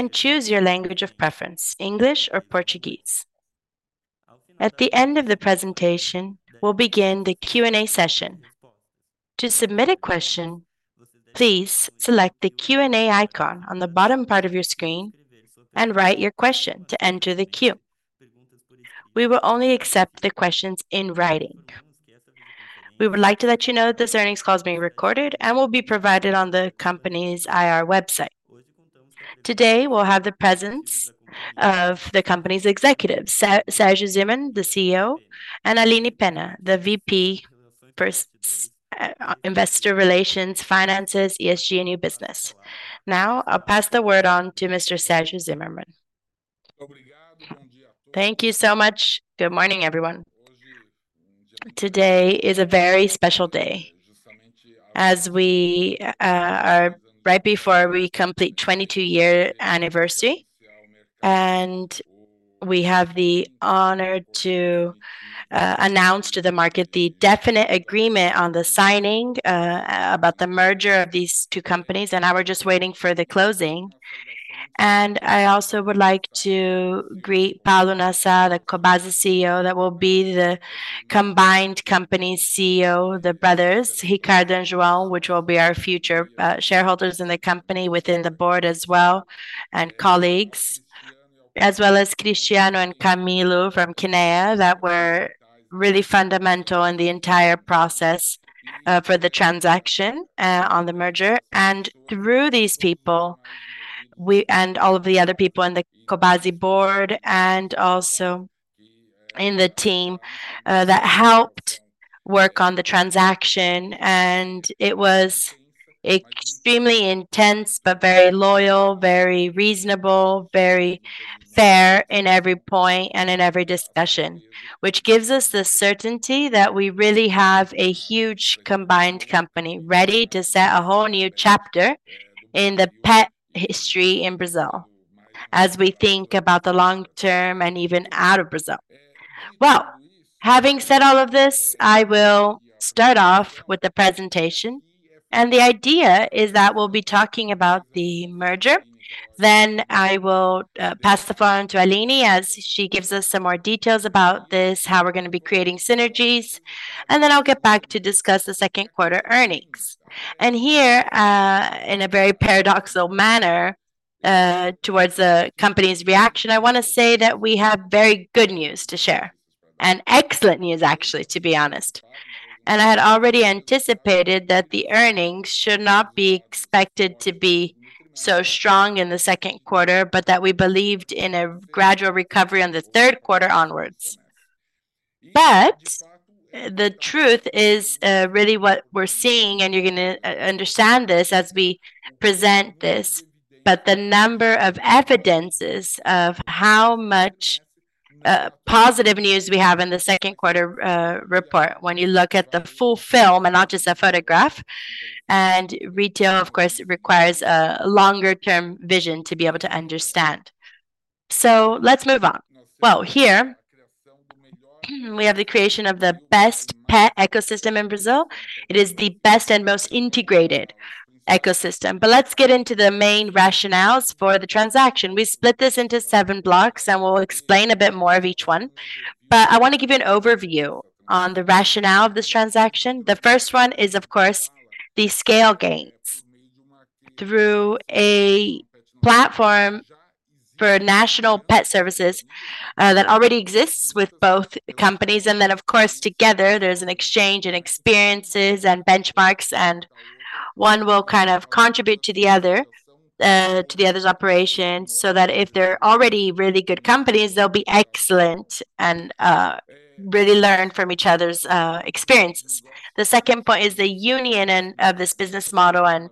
and choose your language of preference, English or Portuguese. At the end of the presentation, we'll begin the Q&A session. To submit a question, please select the Q&A icon on the bottom part of your screen and write your question to enter the queue. We will only accept the questions in writing. We would like to let you know that this earnings call is being recorded and will be provided on the company's IR website. Today, we'll have the presence of the company's executives, Sergio Zimerman, the CEO, and Aline Penna, the VP for Investor Relations, Finance, ESG, and New Business. Now, I'll pass the word on to Mr. Sergio Zimerman. Thank you so much. Good morning, everyone. Today is a very special day, as we are right before we complete twenty-two-year anniversary, and we have the honor to announce to the market the definitive agreement on the signing about the merger of these two companies, and now we're just waiting for the closing. And I also would like to greet Paulo Nassar, the Cobasi CEO, that will be the combined company's CEO, the brothers, Ricardo and João, which will be our future shareholders in the company, within the board as well, and colleagues. As well as Cristiano and Camilo from Kinea, that were really fundamental in the entire process for the transaction on the merger. And through these people, we... And all of the other people in the Cobasi board, and also in the team, that helped work on the transaction, and it was extremely intense, but very loyal, very reasonable, very fair in every point and in every discussion. Which gives us the certainty that we really have a huge combined company ready to set a whole new chapter in the pet history in Brazil, as we think about the long term and even out of Brazil. Well, having said all of this, I will start off with the presentation, and the idea is that we'll be talking about the merger. Then I will pass the floor on to Aline, as she gives us some more details about this, how we're gonna be creating synergies, and then I'll get back to discuss the second quarter earnings. Here, in a very paradoxical manner, towards the company's reaction, I want to say that we have very good news to share, and excellent news, actually, to be honest. I had already anticipated that the earnings should not be expected to be so strong in the second quarter, but that we believed in a gradual recovery on the third quarter onwards. The truth is, really what we're seeing, and you're gonna understand this as we present this, but the number of evidences of how much positive news we have in the second quarter report, when you look at the full film and not just a photograph. Retail, of course, requires a longer term vision to be able to understand. Let's move on. Here, we have the creation of the best pet ecosystem in Brazil. It is the best and most integrated ecosystem. But let's get into the main rationales for the transaction. We split this into seven blocks, and we'll explain a bit more of each one, but I want to give you an overview on the rationale of this transaction. The first one is, of course, the scale gains. Through a platform for national pet services that already exists with both companies, and then, of course, together, there's an exchange and experiences and benchmarks, and one will kind of contribute to the other to the other's operations, so that if they're already really good companies, they'll be excellent and really learn from each other's experiences. The second point is the union of this business model and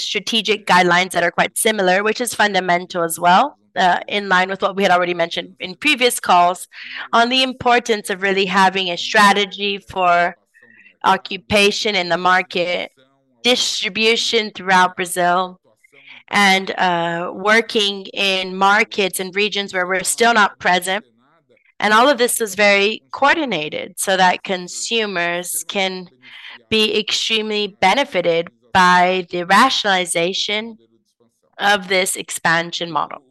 strategic guidelines that are quite similar, which is fundamental as well, in line with what we had already mentioned in previous calls, on the importance of really having a strategy for occupation in the market, distribution throughout Brazil, and working in markets and regions where we're still not present, and all of this is very coordinated, so that consumers can be extremely benefited by the rationalization of this expansion model,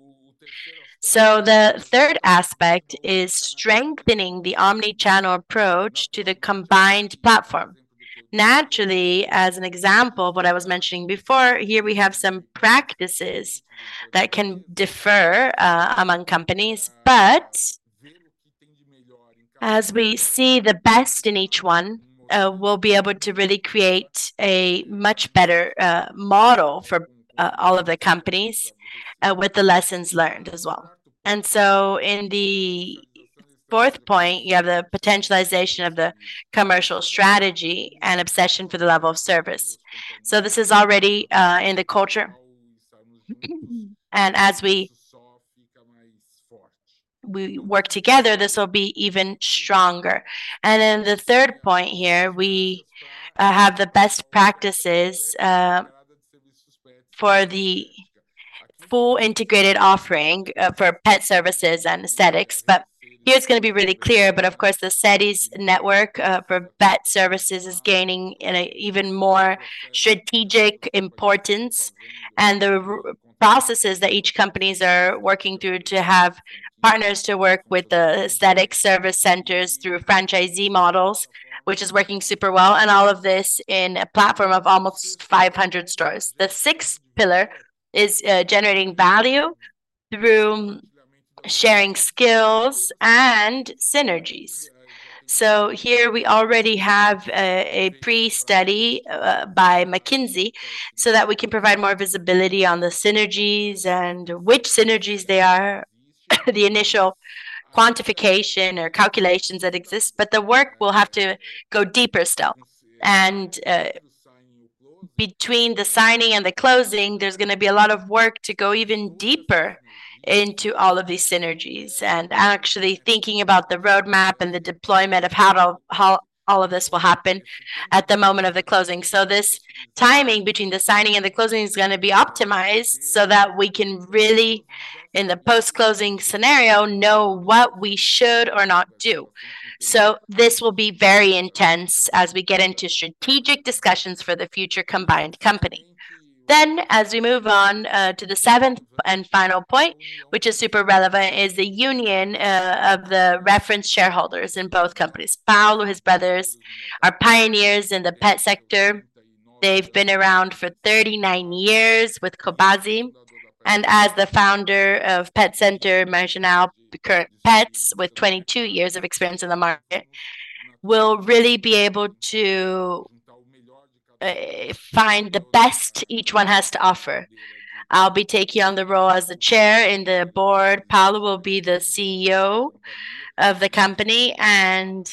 so the third aspect is strengthening the omnichannel approach to the combined platform. Naturally, as an example of what I was mentioning before, here we have some practices that can differ among companies, but as we see the best in each one, we'll be able to really create a much better model for all of the companies with the lessons learned as well. And so in the fourth point, you have the potentialization of the commercial strategy and obsession for the level of service. So this is already in the culture. And as we work together, this will be even stronger. And then the third point here, we have the best practices for the full integrated offering for pet services and aesthetics, but here it's gonna be really clear. But of course, the stores network for vet services is gaining an even more strategic importance, and the processes that each companies are working through to have partners to work with the aesthetic service centers through franchisee models, which is working super well, and all of this in a platform of almost 500 stores. The sixth pillar is generating value through sharing skills and synergies. So here we already have a pre-study by McKinsey, so that we can provide more visibility on the synergies and which synergies they are, the initial quantification or calculations that exist. But the work will have to go deeper still. Between the signing and the closing, there's gonna be a lot of work to go even deeper into all of these synergies, and actually thinking about the roadmap and the deployment of how it all, how all of this will happen at the moment of the closing. So this timing between the signing and the closing is gonna be optimized, so that we can really, in the post-closing scenario, know what we should or not do. So this will be very intense as we get into strategic discussions for the future combined company. Then, as we move on to the seventh and final point, which is super relevant, is the union of the reference shareholders in both companies. Paulo and his brothers are pioneers in the pet sector. They've been around for thirty-nine years with Cobasi, and as the founder of Pet Center Marginal, the current Petz, with twenty-two years of experience in the market, will really be able to find the best each one has to offer. I'll be taking on the role as the Chairman of the board. Paulo will be the CEO of the company, and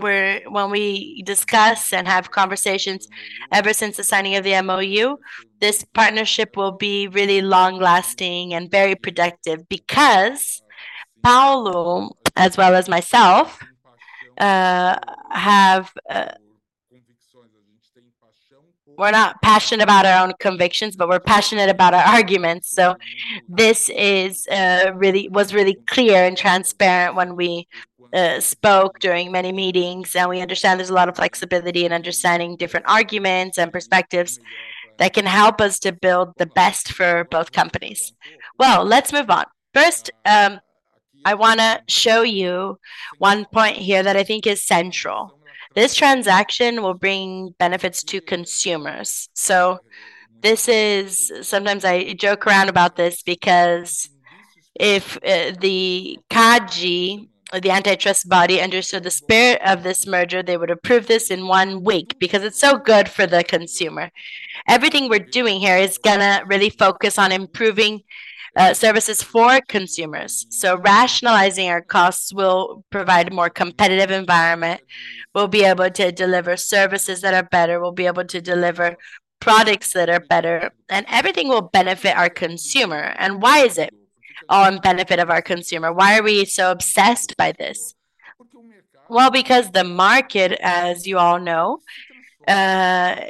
when we discuss and have conversations ever since the signing of the MoU, this partnership will be really long-lasting and very productive because Paulo, as well as myself, have. We're not passionate about our own convictions, but we're passionate about our arguments. So this was really clear and transparent when we spoke during many meetings. And we understand there's a lot of flexibility in understanding different arguments and perspectives that can help us to build the best for both companies. Let's move on. First, I wanna show you one point here that I think is central. This transaction will bring benefits to consumers. This is sometimes I joke around about this because if the CADE or the antitrust body understood the spirit of this merger, they would approve this in one week, because it's so good for the consumer. Everything we're doing here is gonna really focus on improving services for consumers. Rationalizing our costs will provide a more competitive environment. We'll be able to deliver services that are better, we'll be able to deliver products that are better, and everything will benefit our consumer. Why is it all in benefit of our consumer? Why are we so obsessed by this? Because the market, as you all know, has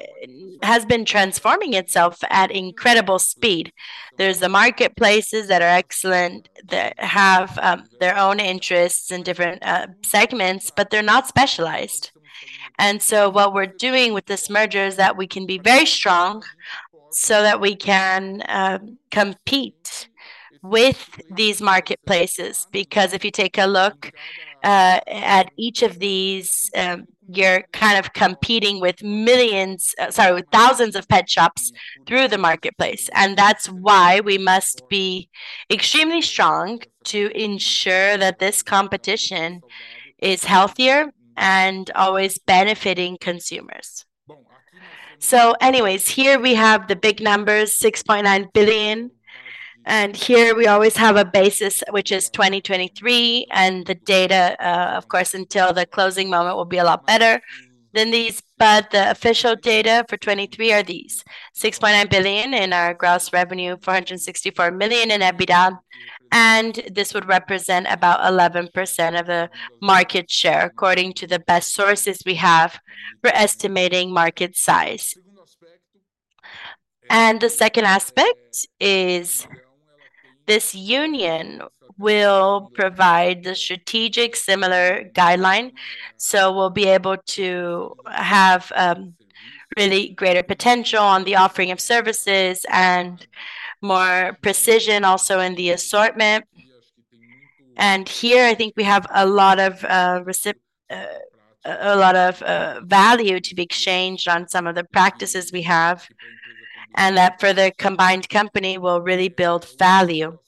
been transforming itself at incredible speed. are the marketplaces that are excellent, that have their own interests in different segments, but they're not specialized. And so what we're doing with this merger is that we can be very strong, so that we can compete with these marketplaces. Because if you take a look at each of these, you're kind of competing with millions, sorry, with thousands of pet shops through the marketplace. And that's why we must be extremely strong to ensure that this competition is healthier and always benefiting consumers. So anyways, here we have the big numbers, 6.9 billion, and here we always have a base, which is 2023. And the data of course, until the closing moment, will be a lot better than these. But the official data for 2023 are these: 6.9 billion in our gross revenue, 464 million in EBITDA, and this would represent about 11% of the market share, according to the best sources we have for estimating market size. The second aspect is this union will provide the strategic similar guideline, so we'll be able to have really greater potential on the offering of services and more precision also in the assortment. Here, I think we have a lot of value to be exchanged on some of the practices we have, and that for the combined company will really build value.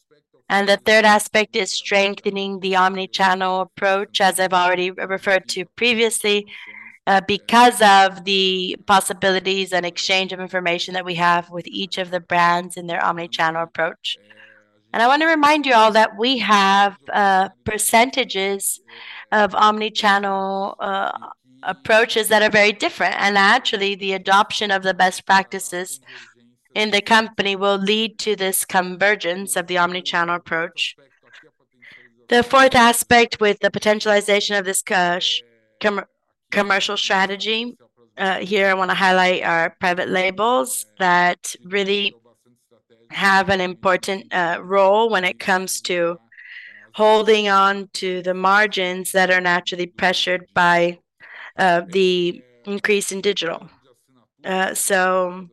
The third aspect is strengthening the omnichannel approach, as I've already referred to previously, because of the possibilities and exchange of information that we have with each of the brands in their omnichannel approach. I want to remind you all that we have percentages of omnichannel approaches that are very different. Actually, the adoption of the best practices in the company will lead to this convergence of the omnichannel approach. The fourth aspect with the potentialization of this commercial strategy, here I want to highlight our private labels that really have an important role when it comes to holding on to the margins that are naturally pressured by the increase in digital. So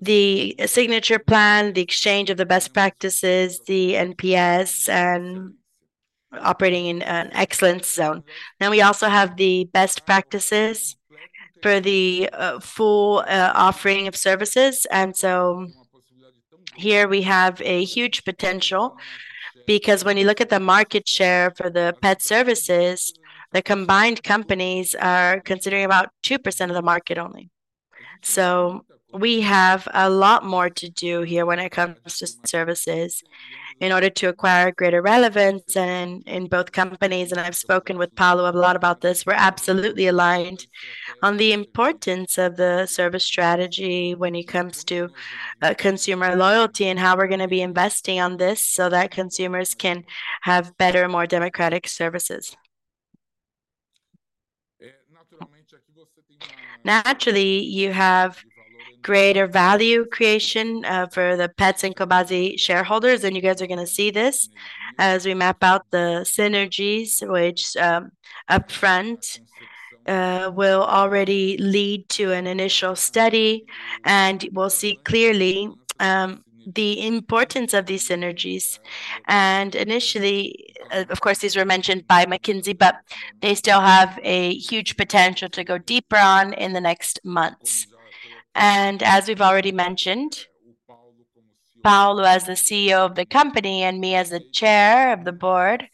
the subscription plan, the exchange of the best practices, the NPS, and operating in an excellence zone. Then we also have the best practices for the full offering of services. And so here we have a huge potential, because when you look at the market share for the Petz services, the combined companies are considering about 2% of the market only. So we have a lot more to do here when it comes to services in order to acquire greater relevance and in both companies, and I've spoken with Paulo a lot about this, we're absolutely aligned on the importance of the service strategy when it comes to consumer loyalty and how we're going to be investing on this so that consumers can have better, more democratic services. Naturally, you have greater value creation for the Petz and Cobasi shareholders, and you guys are going to see this as we map out the synergies, which, upfront, will already lead to an initial study, and we'll see clearly the importance of these synergies. And initially, of course, these were mentioned by McKinsey, but they still have a huge potential to go deeper on in the next months. And as we've already mentioned, Paulo, as the CEO of the company, and me as the chair of the board,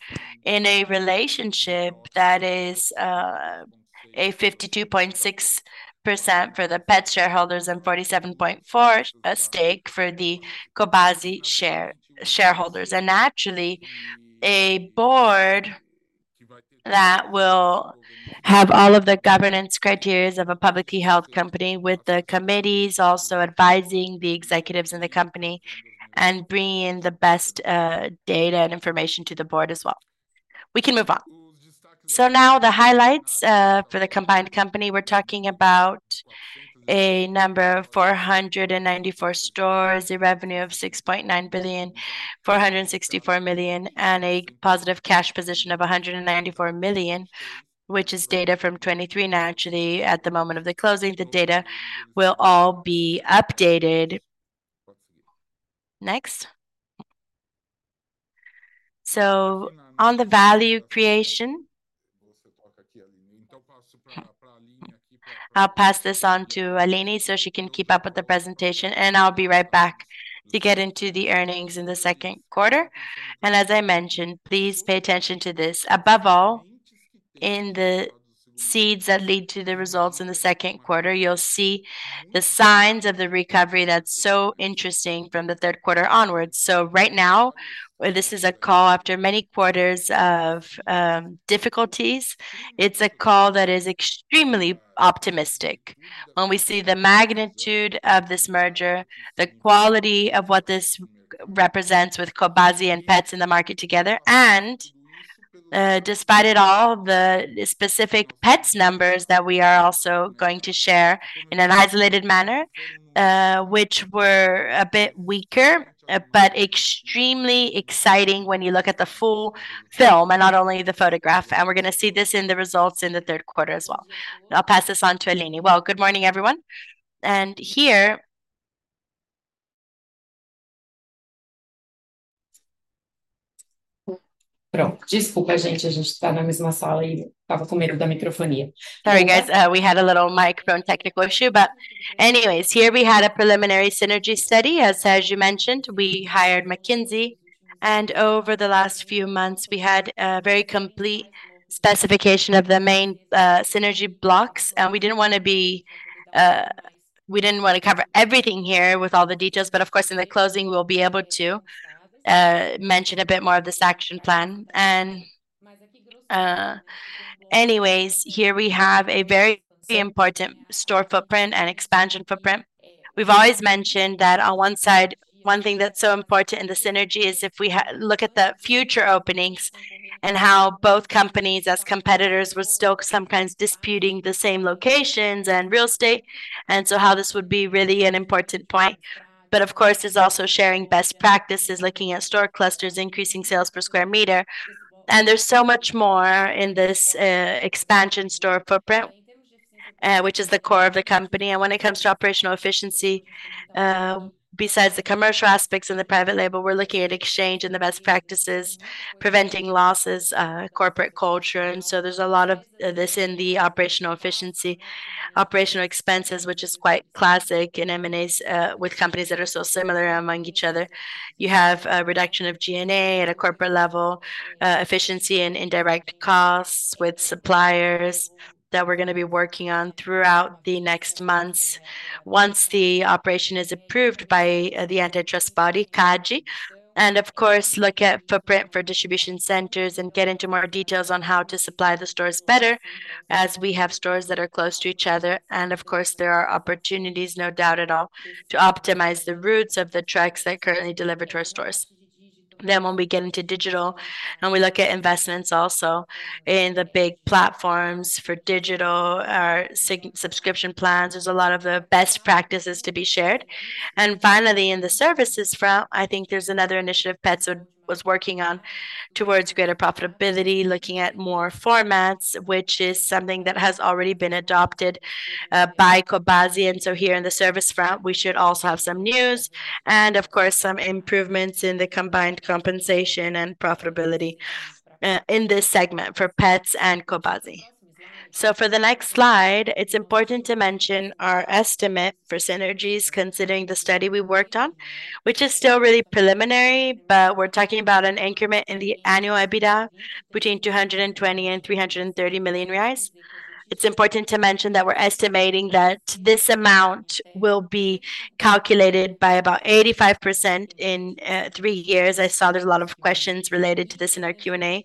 in a relationship that is a 52.6% for the Petz shareholders and 47.4% at stake for the Cobasi shareholders. Naturally, a board that will have all of the governance criterias of a publicly held company, with the committees also advising the executives in the company and bringing in the best data and information to the board as well. We can move on. Now the highlights for the combined company. We're talking about a number of 494 stores, a revenue of 6.9 billion, 464 million, and a positive cash position of 194 million, which is data from 2023. Naturally, at the moment of the closing, the data will all be updated. Next. On the value creation, I'll pass this on to Aline, so she can keep up with the presentation, and I'll be right back to get into the earnings in the second quarter. As I mentioned, please pay attention to this. Above all, in the seeds that lead to the results in the second quarter, you'll see the signs of the recovery that's so interesting from the third quarter onwards. So right now, this is a call after many quarters of difficulties. It's a call that is extremely optimistic when we see the magnitude of this merger, the quality of what this represents with Cobasi and Petz in the market together. And, despite it all, the specific Petz numbers that we are also going to share in an isolated manner, which were a bit weaker, but extremely exciting when you look at the full film and not only the photograph. And we're going to see this in the results in the third quarter as well. I'll pass this on to Aline. Well, good morning, everyone. And here... Sorry, guys, we had a little microphone technical issue, but anyways, here we had a preliminary synergy study. As you mentioned, we hired McKinsey, and over the last few months, we had a very complete specification of the main synergy blocks. And we didn't want to be, we didn't want to cover everything here with all the details, but of course, in the closing, we'll be able to mention a bit more of this action plan. And anyways, here we have a very important store footprint and expansion footprint. We've always mentioned that on one side, one thing that's so important in the synergy is if we look at the future openings and how both companies, as competitors, were still sometimes disputing the same locations and real estate, and so how this would be really an important point. But of course, it's also sharing best practices, looking at store clusters, increasing sales per square meter. And there's so much more in this, expansion store footprint, which is the core of the company. And when it comes to operational efficiency, besides the commercial aspects and the private label, we're looking at exchange and the best practices, preventing losses, corporate culture. And so there's a lot of, this in the operational efficiency. Operational expenses, which is quite classic in M&As, with companies that are so similar among each other. You have a reduction of G&A at a corporate level, efficiency and indirect costs with suppliers that we're going to be working on throughout the next months, once the operation is approved by, the antitrust body, CADE. And of course, look at footprint for distribution centers and get into more details on how to supply the stores better, as we have stores that are close to each other. And of course, there are opportunities, no doubt at all, to optimize the routes of the trucks that currently deliver to our stores. Then when we get into digital, and we look at investments also in the big platforms for digital, our subscription plans, there's a lot of the best practices to be shared. And finally, in the services front, I think there's another initiative Petz was working on towards greater profitability, looking at more formats, which is something that has already been adopted by Cobasi. And so here in the service front, we should also have some news and of course, some improvements in the combined compensation and profitability in this segment for Petz and Cobasi. So for the next slide, it's important to mention our estimate for synergies considering the study we worked on, which is still really preliminary, but we're talking about an increment in the annual EBITDA between 220 million and 330 million reais. It's important to mention that we're estimating that this amount will be calculated by about 85% in three years. I saw there's a lot of questions related to this in our Q&A.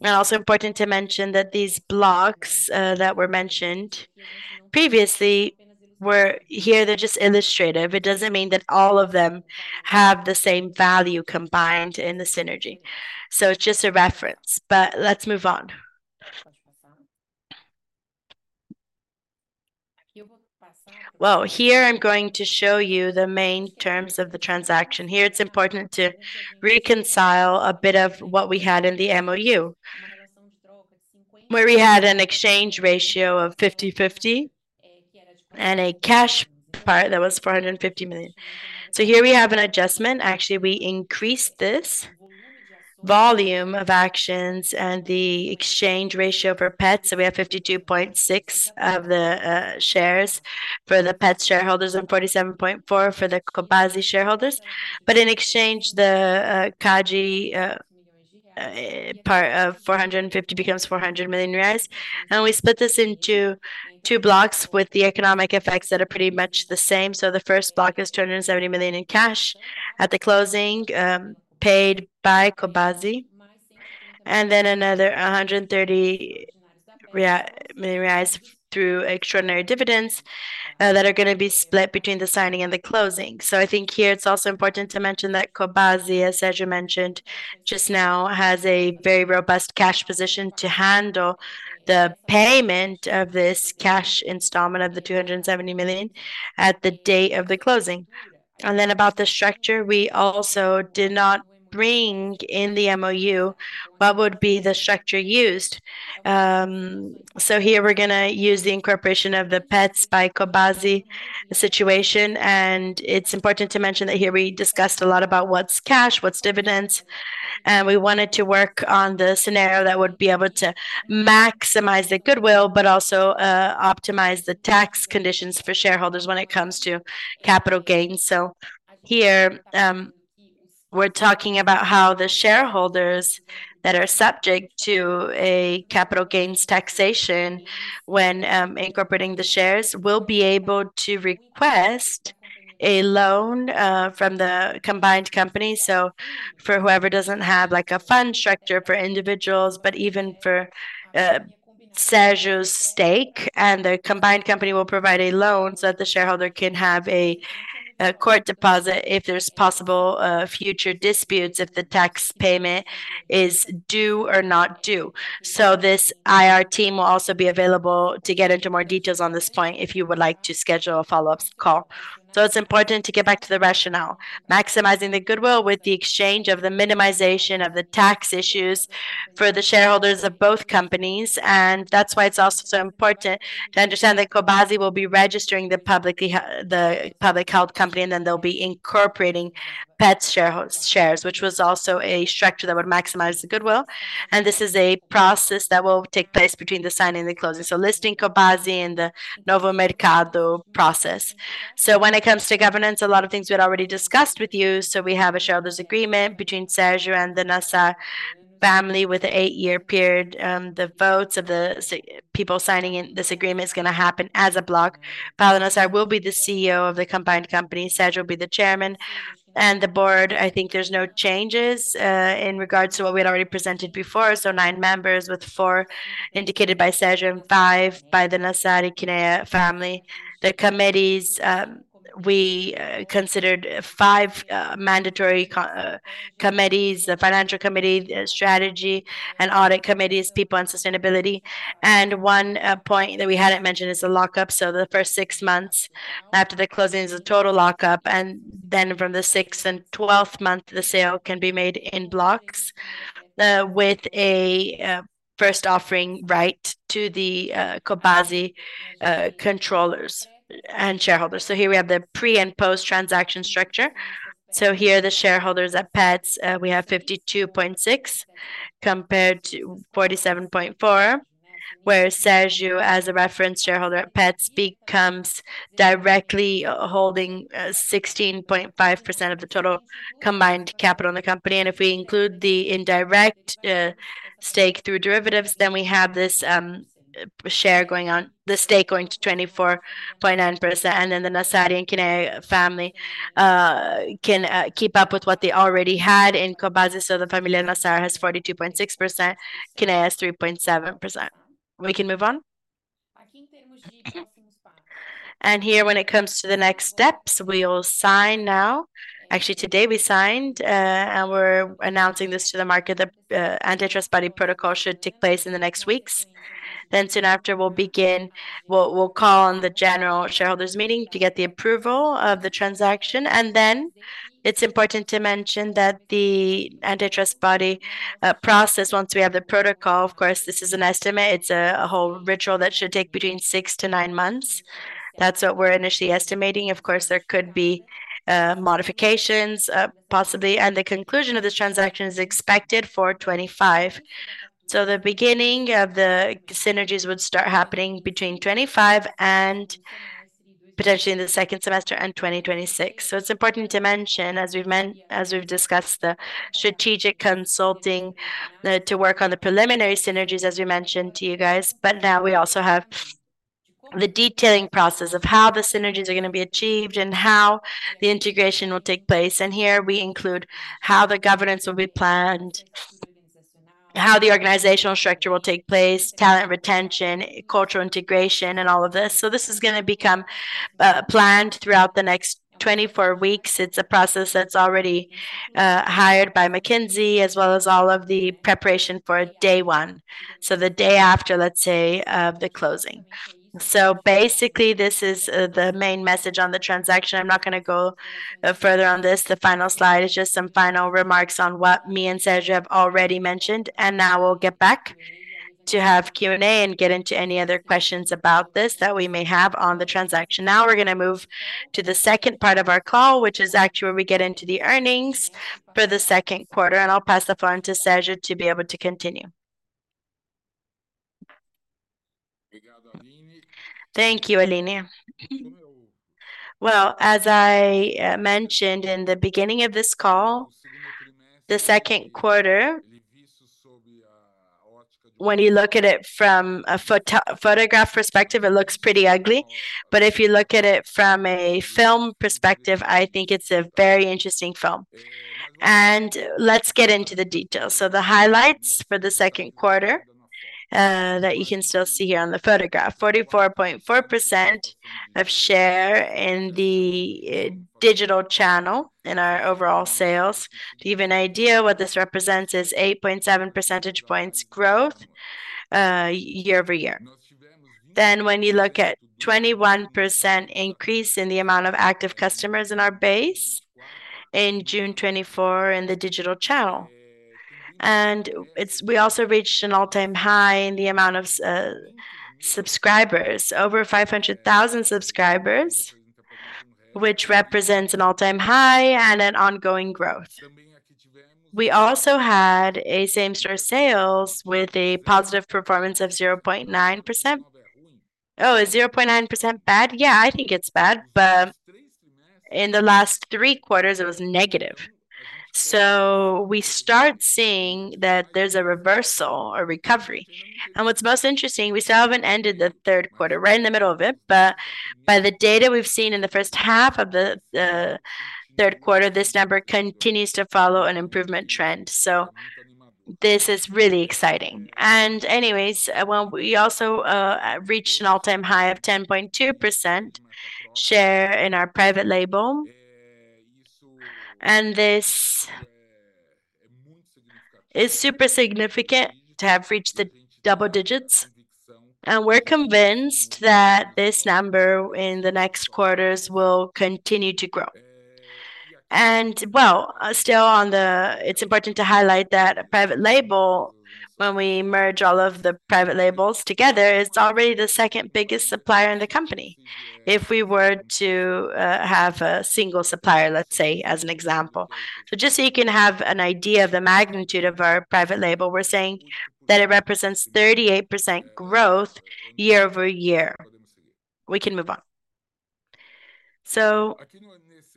And also important to mention that these blocks that were mentioned previously were here, they're just illustrative. It doesn't mean that all of them have the same value combined in the synergy, so it's just a reference. Let's move on. Here I'm going to show you the main terms of the transaction. Here, it's important to reconcile a bit of what we had in the MOU, where we had an exchange ratio of 50/50 and a cash part that was 450 million. Here we have an adjustment. Actually, we increased this volume of shares and the exchange ratio for Petz. So we have 52.6% of the shares for the Petz shareholders and 47.4% for the Cobasi shareholders. In exchange, the cash part of 450 million becomes 400 million reais, and we split this into two blocks with the economic effects that are pretty much the same. The first block is 270 million in cash at the closing, paid by Cobasi, and then another 130 million reais through extraordinary dividends that are going to be split between the signing and the closing. I think here it's also important to mention that Cobasi, as Sergio mentioned just now, has a very robust cash position to handle the payment of this cash installment of the 270 million at the date of the closing. And then about the structure, we also did not bring in the MOU what would be the structure used. So here we're going to use the incorporation of the Petz by Cobasi situation, and it's important to mention that here we discussed a lot about what's cash, what's dividends, and we wanted to work on the scenario that would be able to maximize the goodwill, but also optimize the tax conditions for shareholders when it comes to capital gains. So here, we're talking about how the shareholders that are subject to a capital gains taxation when incorporating the shares, will be able to request a loan from the combined company. So for whoever doesn't have, like, a fund structure for individuals, but even for Sergio's stake, and the combined company will provide a loan so that the shareholder can have a court deposit if there's possible future disputes, if the tax payment is due or not due. So this IR team will also be available to get into more details on this point, if you would like to schedule a follow-up call. So it's important to get back to the rationale. Maximizing the goodwill with the exchange of the minimization of the tax issues for the shareholders of both companies. And that's why it's also so important to understand that Cobasi will be registering the publicly-held company, and then they'll be incorporating Petz shares, which was also a structure that would maximize the goodwill. And this is a process that will take place between the signing and the closing. So listing Cobasi in the Novo Mercado process. So when it comes to governance, a lot of things we had already discussed with you. So we have a shareholders agreement between Sergio and the Nassar family with an eight-year period. The votes of the people signing in this agreement is going to happen as a block. Paulo Nassar will be the CEO of the combined company. Sergio will be the chairman. The board, I think there's no changes in regards to what we had already presented before. Nine members with four indicated by Sergio and five by the Nassar and Kinea family. The committees, we considered five mandatory committees, the financial committee, strategy and audit committees, people and sustainability. One point that we hadn't mentioned is the lockup. The first six months after the closing is a total lockup, and then from the sixth and twelfth month, the sale can be made in blocks with a first offering right to the Cobasi controllers and shareholders. Here we have the pre and post-transaction structure. Here, the shareholders at Petz, we have 52.6% compared to 47.4%, where Sergio, as a reference shareholder at Petz, becomes directly holding 16.5% of the total combined capital in the company. If we include the indirect stake through derivatives, then we have the stake going to 24.9%, and then the Nassar and Kinea family can keep up with what they already had in Cobasi. The family of Nassar has 42.6%, Kinea has 3.7%. We can move on? Here, when it comes to the next steps, we will sign now. Actually, today we signed, and we're announcing this to the market. The antitrust body protocol should take place in the next weeks. Then soon after, we'll begin. We'll call on the general shareholders meeting to get the approval of the transaction. And then it's important to mention that the antitrust body process, once we have the protocol, of course, this is an estimate. It's a whole ritual that should take between six to nine months. That's what we're initially estimating. Of course, there could be modifications, possibly, and the conclusion of this transaction is expected for 2025. So the beginning of the synergies would start happening between 2025 and potentially in the second semester and 2026. So it's important to mention, as we've discussed, the strategic consulting to work on the preliminary synergies, as we mentioned to you guys. But now we also have the detailing process of how the synergies are going to be achieved and how the integration will take place. And here we include how the governance will be planned, how the organizational structure will take place, talent retention, cultural integration, and all of this. So this is going to become planned throughout the next 24 weeks. It's a process that's already hired by McKinsey, as well as all of the preparation for day one. So the day after, let's say, the closing. So basically, this is the main message on the transaction. I'm not going to go further on this. The final slide is just some final remarks on what me and Sergio have already mentioned, and now we'll get back to have Q&A and get into any other questions about this that we may have on the transaction. Now, we're going to move to the second part of our call, which is actually where we get into the earnings for the second quarter, and I'll pass the phone to Sergio to be able to continue. Thank you, Aline. Well, as I mentioned in the beginning of this call, the second quarter, when you look at it from a photograph perspective, it looks pretty ugly, but if you look at it from a film perspective, I think it's a very interesting film, and let's get into the details, so the highlights for the second quarter that you can still see here on the photograph, 44.4% of share in the digital channel in our overall sales. To give you an idea, what this represents is 8.7 percentage points growth year over year. Then, when you look at 21% increase in the amount of active customers in our base in June 2024 in the digital channel. We also reached an all-time high in the amount of subscribers. Over 500,000 subscribers, which represents an all-time high and an ongoing growth. We also had same-store sales with a positive performance of 0.9%. Oh, is 0.9% bad? Yeah, I think it's bad, but in the last three quarters, it was negative. We start seeing that there's a reversal or recovery. What's most interesting, we still haven't ended the third quarter, right in the middle of it, but by the data we've seen in the first half of the third quarter, this number continues to follow an improvement trend. This is really exciting. Anyways, we also reached an all-time high of 10.2% share in our private label. This is super significant to have reached the double digits, and we're convinced that this number in the next quarters will continue to grow. Still on the private label, it's important to highlight that private label, when we merge all of the private labels together, is already the second biggest supplier in the company. If we were to have a single supplier, let's say, as an example. Just so you can have an idea of the magnitude of our private label, we're saying that it represents 38% growth year over year. We can move on.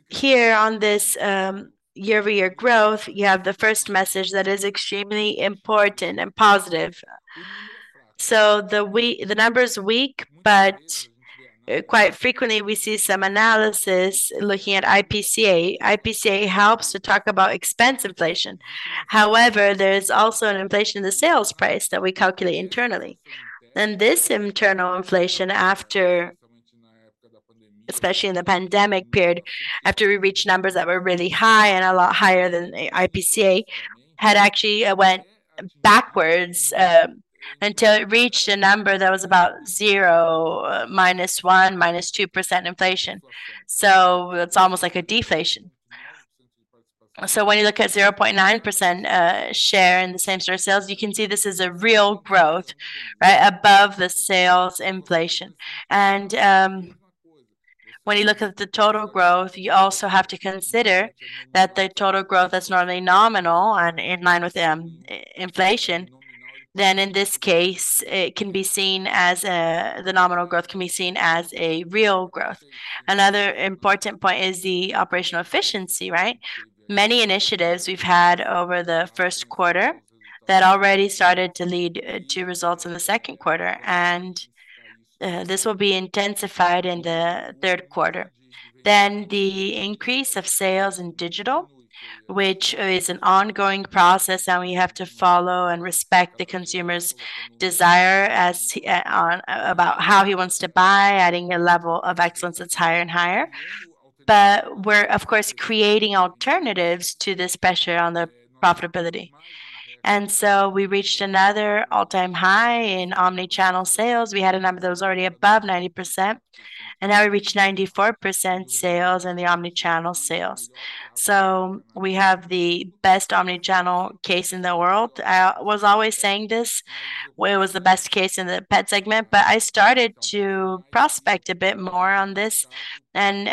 Here on this year-over-year growth, you have the first message that is extremely important and positive. The number is weak, but quite frequently, we see some analysis looking at IPCA. IPCA helps to talk about expense inflation. However, there is also an inflation in the sales price that we calculate internally. And this internal inflation, after especially in the pandemic period, after we reached numbers that were really high and a lot higher than the IPCA, had actually went backwards until it reached a number that was about zero, minus 1, minus 2% inflation. It's almost like a deflation. When you look at 0.9% share in the same-store sales, you can see this is a real growth, right? Above the sales inflation. When you look at the total growth, you also have to consider that the total growth that's normally nominal and in line with inflation, then in this case, it can be seen as the nominal growth can be seen as a real growth. Another important point is the operational efficiency, right? Many initiatives we've had over the first quarter that already started to lead to results in the second quarter, and this will be intensified in the third quarter. Then the increase of sales in digital, which is an ongoing process, and we have to follow and respect the consumer's desire as he about how he wants to buy, adding a level of excellence that's higher and higher. But we're, of course, creating alternatives to this pressure on the profitability. And so we reached another all-time high in omnichannel sales. We had a number that was already above 90%, and now we reached 94% sales in the omni-channel sales. So we have the best omni-channel case in the world. I was always saying this, where it was the best case in the pet segment, but I started to prospect a bit more on this, and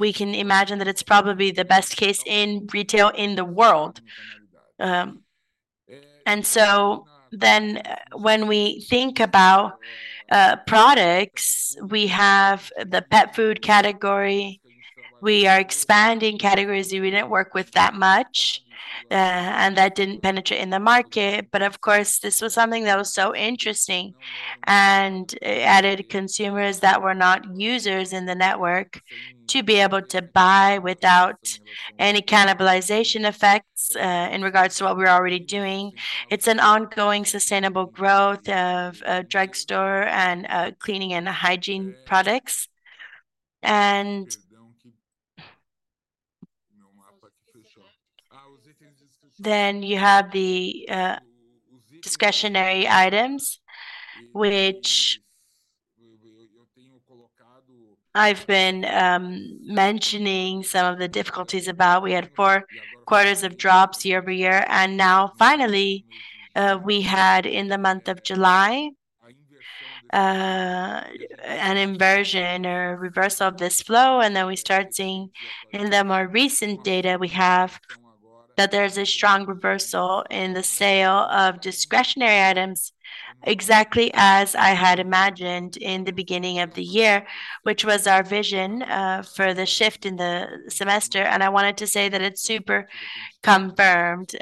we can imagine that it's probably the best case in retail in the world. And so then, when we think about products, we have the pet food category. We are expanding categories that we didn't work with that much, and that didn't penetrate in the market. But of course, this was something that was so interesting and added consumers that were not users in the network to be able to buy without any cannibalization effects, in regards to what we're already doing. It's an ongoing, sustainable growth of drugstore and cleaning and hygiene products, and then you have the discretionary items, which I've been mentioning some of the difficulties about. We had four quarters of drops year over year, and now finally, we had, in the month of July, an inversion or reversal of this flow, and then we start seeing in the more recent data we have, that there's a strong reversal in the sale of discretionary items, exactly as I had imagined in the beginning of the year, which was our vision for the shift in the semester, and I wanted to say that it's super confirmed,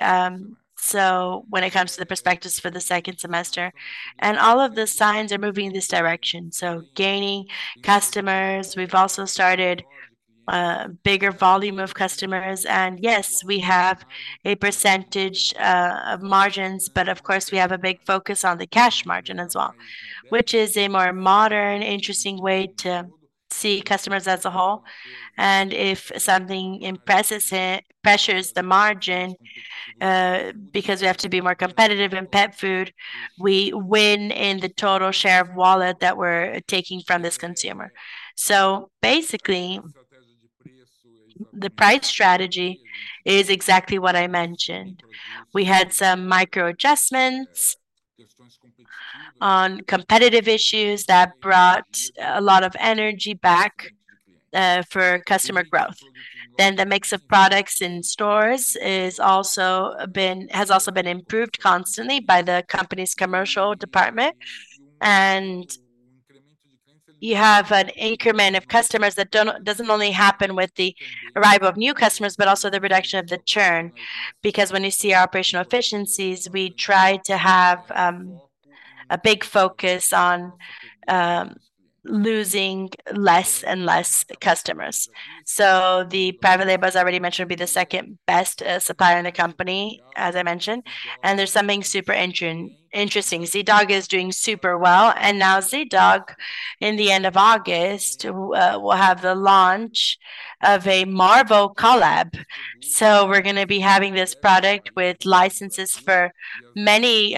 so when it comes to the perspectives for the second semester, and all of the signs are moving in this direction. Gaining customers, we've also started a bigger volume of customers, and yes, we have a percentage of margins, but of course, we have a big focus on the cash margin as well, which is a more modern, interesting way to see customers as a whole, and if something pressures the margin, because we have to be more competitive in pet food, we win in the total share of wallet that we're taking from this consumer. Basically, the price strategy is exactly what I mentioned. We had some micro adjustments on competitive issues that brought a lot of energy back for customer growth. Then the mix of products in stores has also been improved constantly by the company's commercial department. And you have an increment of customers that doesn't only happen with the arrival of new customers, but also the reduction of the churn. Because when you see our operational efficiencies, we try to have a big focus on losing less and less customers. So the private label, as I already mentioned, would be the second best supplier in the company, as I mentioned. And there's something super interesting. Zee.Dog is doing super well, and now Zee.Dog, in the end of August, will have the launch of a Marvel collab. So we're gonna be having this product with licenses for many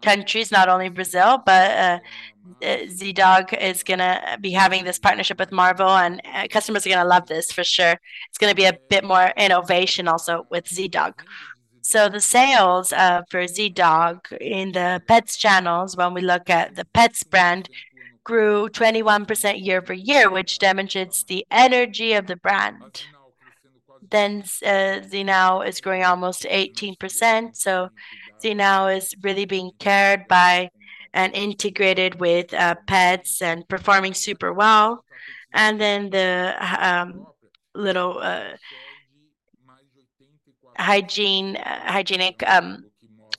countries, not only Brazil, but Zee.Dog is gonna be having this partnership with Marvel, and customers are gonna love this for sure. It's gonna be a bit more innovation also with Zee.Dog. So the sales for Zee.Dog in the Petz channels, when we look at the Petz brand, grew 21% year over year, which demonstrates the energy of the brand. Then, Zee.Now is growing almost 18%. So Zee.Now is really being carried by and integrated with, Petz and performing super well. And then the hygienic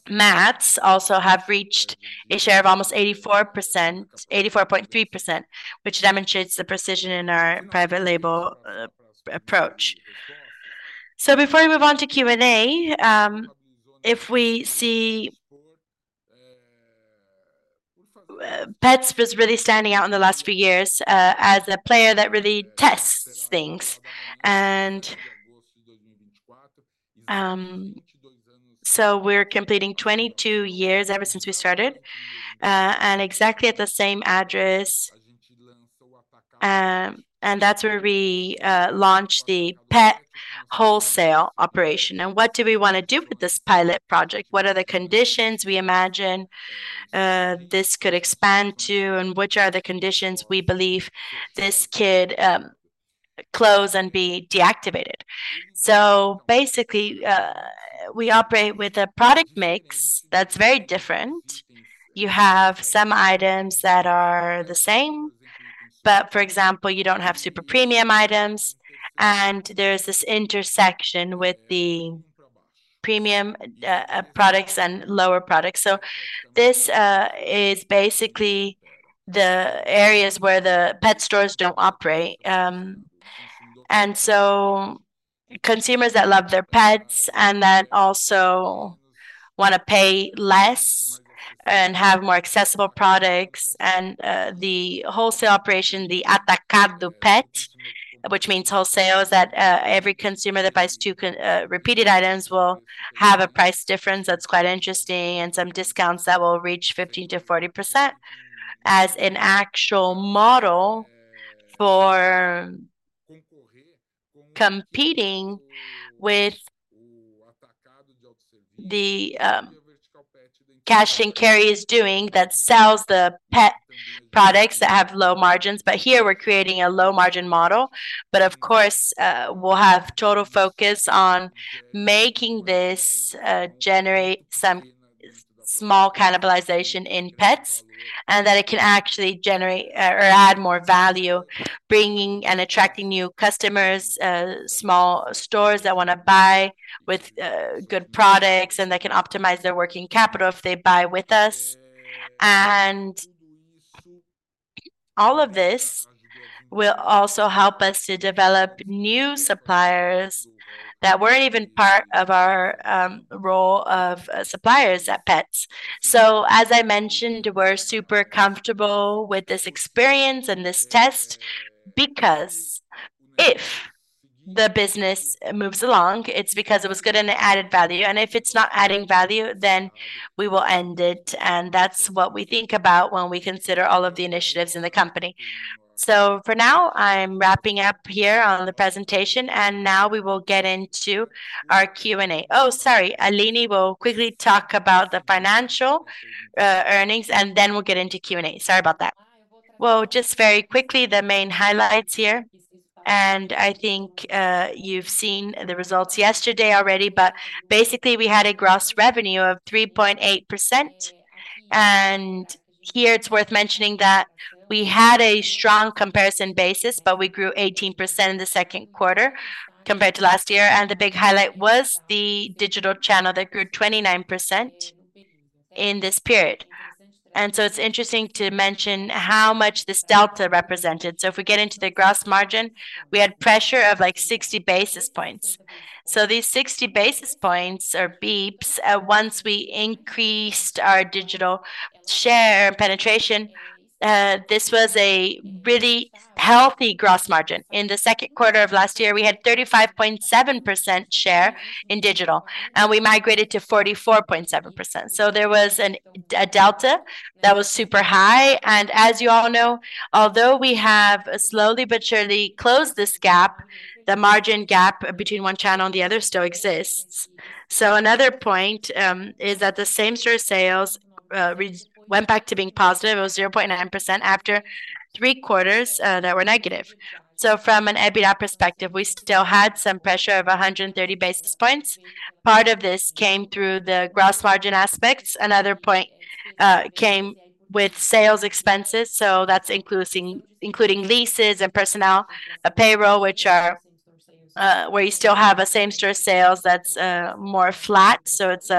mats also have reached a share of almost 84%, 84.3%, which demonstrates the precision in our private label approach. So before we move on to Q&A, if we see, Petz was really standing out in the last few years, as a player that really tests things. And, so we're completing 22 years ever since we started, and exactly at the same address. And that's where we launched the pet wholesale operation. What do we want to do with this pilot project? What are the conditions we imagine this could expand to, and which are the conditions we believe this could close and be deactivated? We operate with a product mix that's very different. You have some items that are the same, but for example, you don't have super premium items, and there's this intersection with the premium products and lower products. This is basically the areas where the pet stores don't operate. Consumers that love their pets and that also want to pay less and have more accessible products. The wholesale operation, the Atacado Pet, which means wholesale, is that every consumer that buys two repeated items will have a price difference that's quite interesting, and some discounts that will reach 15%-40%. As an actual model for competing with the cash and carry is doing that sells the pet products that have low margins. But here we're creating a low margin model. But of course we'll have total focus on making this generate some small cannibalization in Petz, and that it can actually generate or add more value, bringing and attracting new customers, small stores that want to buy with good products, and they can optimize their working capital if they buy with us. And all of this will also help us to develop new suppliers that weren't even part of our role of suppliers at Petz. So as I mentioned, we're super comfortable with this experience and this test, because if the business moves along, it's because it was good and it added value, and if it's not adding value, then we will end it. And that's what we think about when we consider all of the initiatives in the company. So for now, I'm wrapping up here on the presentation, and now we will get into our Q&A. Oh, sorry. Aline will quickly talk about the financial earnings, and then we'll get into Q&A. Sorry about that. Well, just very quickly, the main highlights here, and I think you've seen the results yesterday already, but basically, we had a gross revenue of 3.8%. And here it's worth mentioning that we had a strong comparison basis, but we grew 18% in the second quarter compared to last year, and the big highlight was the digital channel that grew 29% in this period. And so it's interesting to mention how much this delta represented. So if we get into the gross margin, we had pressure of, like, sixty basis points. So these sixty basis points or beeps, once we increased our digital share penetration, this was a really healthy gross margin. In the second quarter of last year, we had 35.7% share in digital, and we migrated to 44.7%. So there was a delta that was super high. And as you all know, although we have slowly but surely closed this gap, the margin gap between one channel and the other still exists. So another point is that the same-store sales went back to being positive. It was 0.9% after three quarters that were negative. So from an EBITDA perspective, we still had some pressure of 130 basis points. Part of this came through the gross margin aspects. Another point came with sales expenses, so that's including leases and personnel payroll, which are where you still have a same-store sales that's more flat. So it's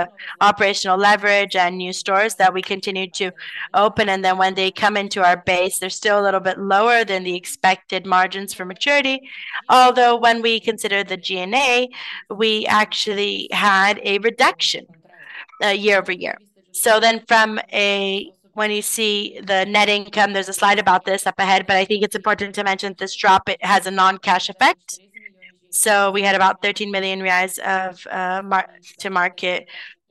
operational leverage and new stores that we continue to open, and then when they come into our base, they're still a little bit lower than the expected margins for maturity. Although when we consider the G&A, we actually had a reduction year over year. So then from a... When you see the net income, there's a slide about this up ahead, but I think it's important to mention this drop. It has a non-cash effect. So we had about thirteen million BRL of mark-to-market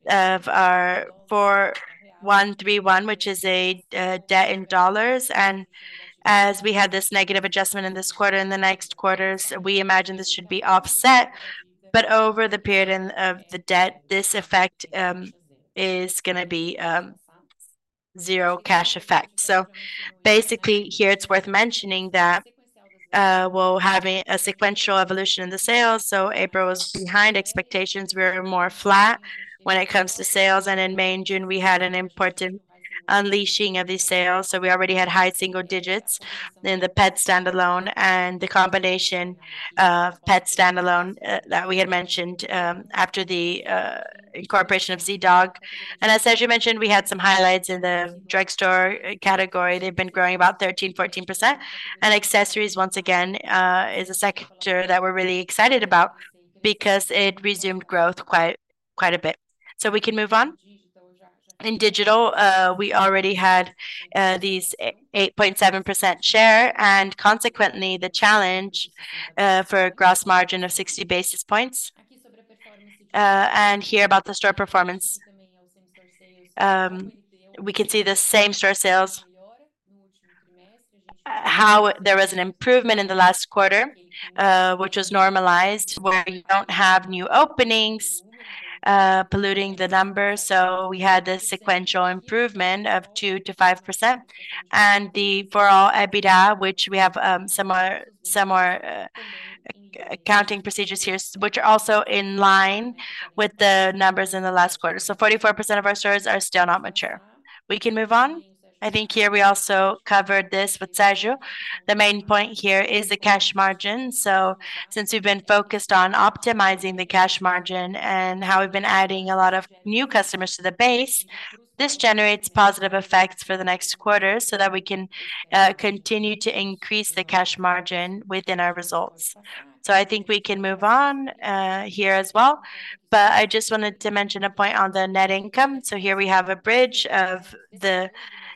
of our 4131, which is a debt in dollars. And as we had this negative adjustment in this quarter, in the next quarters, we imagine this should be offset. But over the period of the debt, this effect is going to be zero cash effect. So basically here, it's worth mentioning that we're having a sequential evolution in the sales, so April was behind expectations. We were more flat when it comes to sales, and in May and June, we had an important unleashing of these sales. So we already had high single digits in the Petz standalone and the combination of Petz standalone that we had mentioned after the incorporation of Zee.Dog. As Sergio mentioned, we had some highlights in the drugstore category. They've been growing about 13-14%. Accessories, once again, is a sector that we're really excited about because it resumed growth quite a bit. We can move on. In digital, we already had these 8.7% share, and consequently, the challenge for a gross margin of 60 basis points. And here about the store performance. We can see the same store sales how there was an improvement in the last quarter, which was normalized, where we don't have new openings polluting the numbers. We had this sequential improvement of 2-5%. For our EBITDA, which we have some more accounting procedures here, which are also in line with the numbers in the last quarter. 44% of our stores are still not mature. We can move on. I think here we also covered this with Sergio. The main point here is the cash margin. Since we've been focused on optimizing the cash margin and how we've been adding a lot of new customers to the base, this generates positive effects for the next quarter, so that we can continue to increase the cash margin within our results. I think we can move on here as well, but I just wanted to mention a point on the net income. Here we have a bridge of the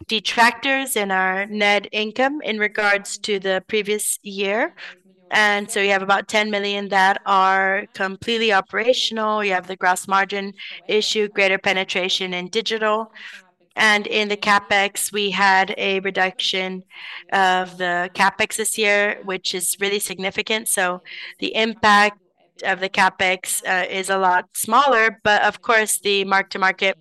detractors in our net income in regards to the previous year. You have about 10 million that are completely operational. You have the gross margin issue, greater penetration in digital, and in the CapEx, we had a reduction of the CapEx this year, which is really significant. The impact of the CapEx is a lot smaller, but of course, the mark-to-market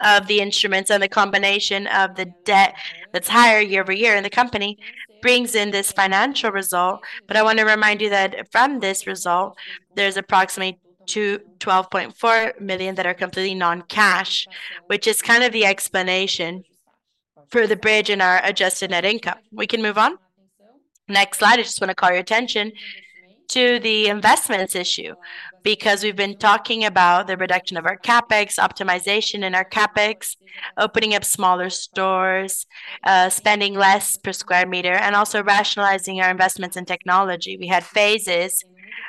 of the instruments and the combination of the debt that's higher year over year, and the company brings in this financial result. I want to remind you that from this result, there's approximately 12.4 million that are completely non-cash, which is kind of the explanation for the bridge in our adjusted net income. We can move on. Next slide, I just want to call your attention to the investments issue, because we've been talking about the reduction of our CapEx, optimization in our CapEx, opening up smaller stores, spending less per square meter, and also rationalizing our investments in technology. We had phases